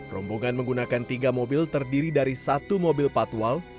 rombongan menggunakan tiga mobil terdiri dari satu mobil patwal